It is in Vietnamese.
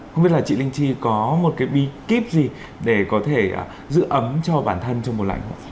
không biết là chị linh chi có một cái bí kíp gì để có thể giữ ấm cho bản thân trong mùa lạnh không ạ